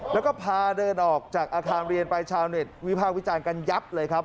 แล้วก็พาเดินออกจากอาคารเรียนไปชาวเน็ตวิพากษ์วิจารณ์กันยับเลยครับ